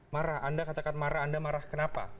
marah anda katakan marah anda marah kenapa